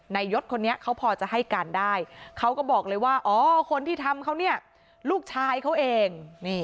ยศคนนี้เขาพอจะให้การได้เขาก็บอกเลยว่าอ๋อคนที่ทำเขาเนี่ยลูกชายเขาเอง